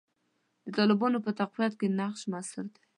د طالبانو په تقویت کې نقش موثر دی.